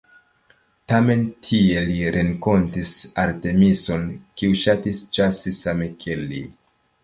Tamen tie li renkontis Artemiso-n, kiu ŝatis ĉasi same, kiel li.